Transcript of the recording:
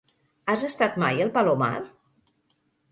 Has estat mai al Palomar?